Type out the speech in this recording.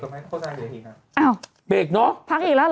พี่เรียกกันไหมเข้าทางเดียวอีกฮะ